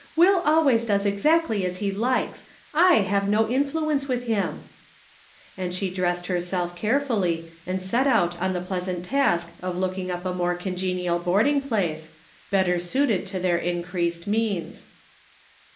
" Will always does exactly as he likes ;/ have no in fluence with him." And she dressed herself carefully, and set out on the pleasant task of looking up a more congenial boarding place, better suited to their increased means.